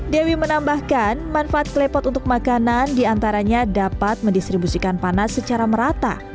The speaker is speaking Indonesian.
dewi menambahkan manfaat klepot untuk makanan diantaranya dapat mendistribusikan panas secara merata